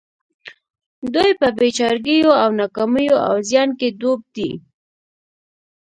دوی په بې چارګيو او ناکاميو او زيان کې ډوب دي.